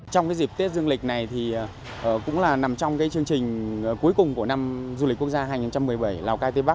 trong dịp tết dương lịch này thì cũng là nằm trong chương trình cuối cùng của năm du lịch quốc gia hai nghìn một mươi bảy lào cai tây bắc